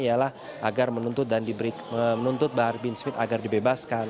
ialah agar menuntut bahar bin smith agar dibebaskan